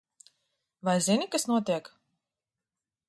Vai zini, kas notiek?